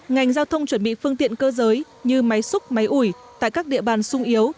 ngành giao thông chuẩn bị phương tiện cơ giới như máy xúc máy ủi tại các địa bàn sung yếu